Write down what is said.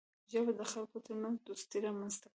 ژبه د خلکو ترمنځ دوستي رامنځته کوي